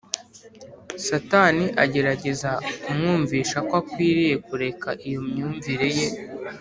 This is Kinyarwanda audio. . Satani agerageza kumwumvisha ko akwiriye kureka iyo myumvire ye.